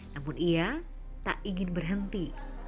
namun ia tak ingin berhenti